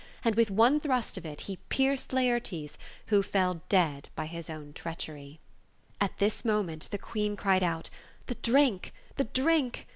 And with one thrust of it he pierced Laertes, who fell dead by Kis own treachery. At this moment the Queen cried out, "The drink, the drink